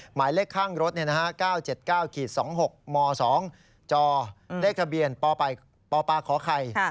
หมายเลขข้างรถ๙๗๙๒๖ม๒จเลขทะเบียนปปคไข่